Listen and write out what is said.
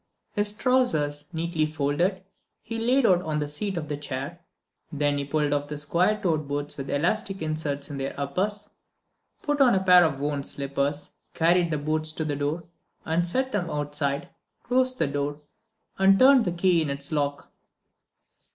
His trousers, neatly folded, he laid out on the seat of the chair. Then he pulled off square toed boots with elastic inserts in their uppers, put on a pair of worn slippers, carried the boots to the door and set them outside, closed the door, and turned the key in its lock.